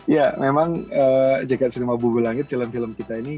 ya memang jagad cinema bunga langit dalam film kita ini